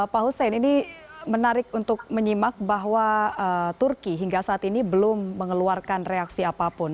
pak hussein ini menarik untuk menyimak bahwa turki hingga saat ini belum mengeluarkan reaksi apapun